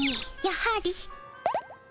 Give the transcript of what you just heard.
やはり。